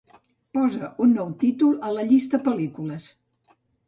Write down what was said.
Posa un nou títol a la llista "pel·lícules".